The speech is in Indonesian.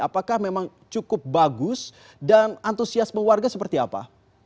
apakah memang cukup bagus dan antusiasme warga seperti apa